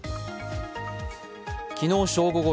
昨日正午頃